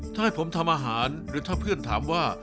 ถ้าให้ผมทำอาหารหรือถ้าเพื่อนถามว่า